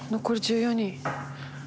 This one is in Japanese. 残り１４人。